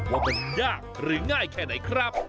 ว่ามันยากหรือง่ายแค่ไหนครับ